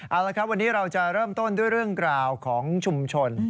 เอาละครับวันนี้เราจะเริ่มต้นด้วยเรื่องกล่าวของชุมชน